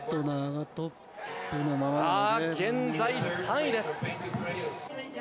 現在３位です。